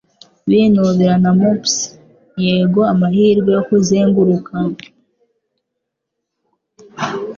binubira na mops yego amahirwe yo kuzenguruka